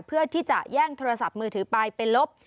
เพื่อที่จะแย่งโทรศัพท์มือถือไปไปลบ